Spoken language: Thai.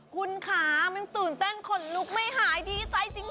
คุณคะมันตื่นเต้นขนลุกไม่หายดีใจจริง